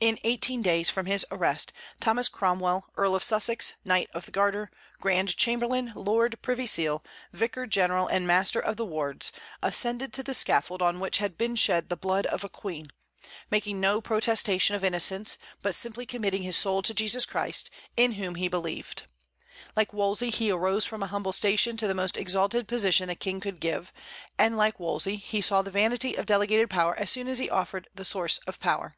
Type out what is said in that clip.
In eighteen days from his arrest, Thomas Cromwell, Earl of Essex, Knight of the Garter, Grand Chamberlain, Lord Privy Seal, Vicar General, and Master of the Wards, ascended the scaffold on which had been shed the blood of a queen, making no protestation of innocence, but simply committing his soul to Jesus Christ, in whom he believed. Like Wolsey, he arose from an humble station to the most exalted position the King could give; and, like Wolsey, he saw the vanity of delegated power as soon as he offended the source of power.